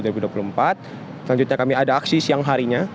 selanjutnya kami ada aksi siang harinya